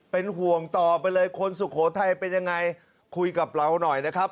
เป็นห่วงต่อไปเลยคนสุโขทัยเป็นยังไงคุยกับเราหน่อยนะครับ